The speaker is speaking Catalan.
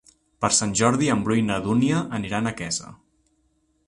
Per Sant Jordi en Bru i na Dúnia aniran a Quesa.